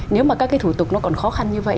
nếu mà các cái thủ tục nó còn khó khăn như vậy